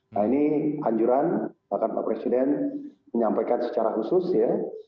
nah ini anjuran bahkan pak presiden menyampaikan secara khusus ya